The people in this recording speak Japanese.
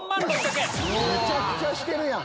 めちゃくちゃしてるやん。